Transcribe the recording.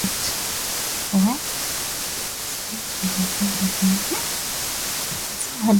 ni Mungu Mwenyewe na Mtunzaji wa Sabato wa Kwanza kabisa ni Mungu mwenyewe